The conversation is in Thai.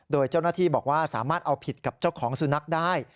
โดยเจ้าหน้าที่บอกว่าสามารถเอาผิดกับเจ้าของสุนัขได้